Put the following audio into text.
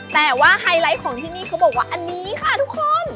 แต่ว่าไฮไลท์ของที่นี่เขาบอกว่าอันนี้ค่ะทุกคน